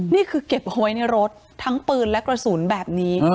นี่คือเก็บเอาไว้ในรถทั้งปืนและกระสุนแบบนี้